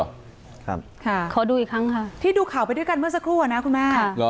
ขอดูอีกครั้งค่ะที่ดูข่าวไปด้วยกันเมื่อสักครู่อะนะคุณแม่